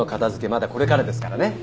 まだこれからですからね。